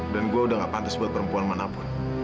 dan gua udah nggak pantas buat perempuan manapun